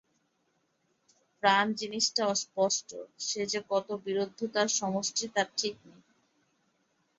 প্রাণ-জিনিসটা অস্পষ্ট, সে যে কত বিরুদ্ধতার সমষ্টি তার ঠিক নেই।